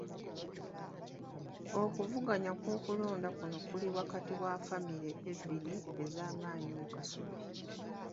Okuvuganya kw'okulonda kuno kuli wakati wa famire ebbiri ez'amaanyi mu Kasubi.